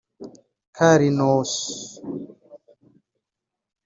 Carl Linnaeus